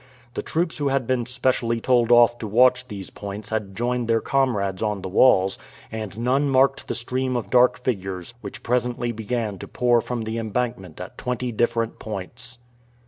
The troops who had been specially told off to watch these points had joined their comrades on the walls, and none marked the stream of dark figures which presently began to pour out from the embankment at twenty different points.